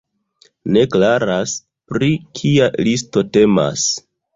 Ne klaras, pri kia listo temas.